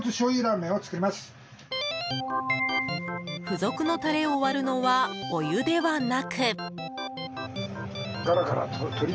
付属のタレを割るのはお湯ではなく。